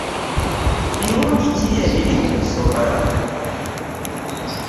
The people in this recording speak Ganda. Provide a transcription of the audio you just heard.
Birungi ki ebiri mu kusoma?